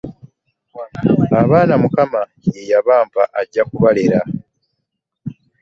Abaana Mukama eyabampa ajja kubalera.